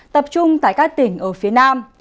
tập trung tại các tỉnh ở phía nam